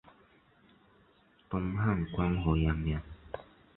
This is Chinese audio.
东汉光和元年。